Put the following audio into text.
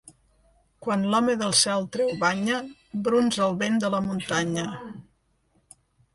Quan l'home del cel treu banya, brunz el vent de la muntanya.